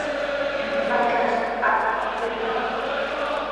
Mallaqnashqa atuq puriykan.